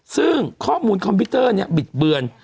ซึ่งข้อมูลคอมพิวเตอร์เนี่ยบิดเบือน